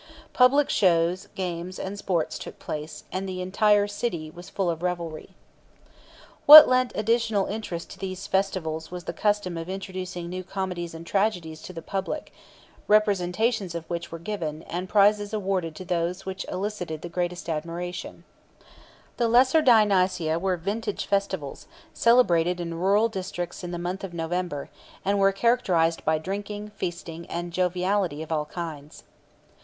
Public shows, games, and sports took place, and the entire city was full of revelry. What lent additional interest to these festivals was the custom of introducing new comedies and tragedies to the public, representations of which were given, and prizes awarded to those which elicited the greatest admiration. The Lesser Dionysia were vintage festivals, celebrated in rural districts in the month of November, and were characterized by drinking, feasting, and joviality of all kinds.